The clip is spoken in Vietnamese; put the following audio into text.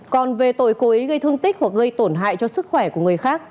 còn về tội cố ý gây thương tích hoặc gây tổn hại cho sức khỏe của người khác